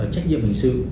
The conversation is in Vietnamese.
trách nhiệm hình sự